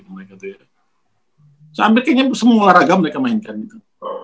saya hampir kayaknya semua olahraga mereka mainkan gitu